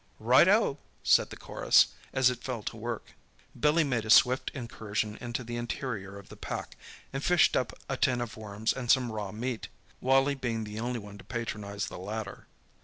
"Right oh!" said the chorus, as it fell to work. Billy made a swift incursion into the interior of the pack, and fished up a tin of worms and some raw meat, Wally being the only one to patronize the latter.